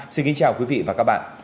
xin kính chào quý vị và các bạn